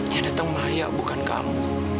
ya datang maya bukan kamu